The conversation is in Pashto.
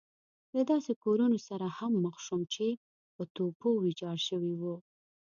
له داسې کورونو سره هم مخ شوم چې په توپو ويجاړ شوي وو.